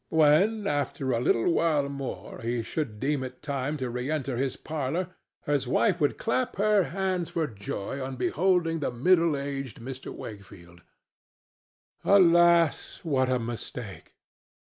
When, after a little while more, he should deem it time to re enter his parlor, his wife would clap her hands for joy on beholding the middle aged Mr. Wakefield. Alas, what a mistake!